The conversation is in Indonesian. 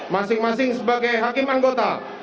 masing masing sebagai hakim anggota